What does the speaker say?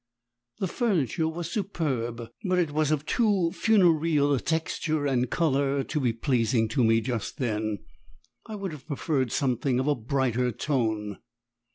The furniture was superb, but it was of too funereal a texture and colour to be pleasing to me just then, I would have preferred something of a brighter tone.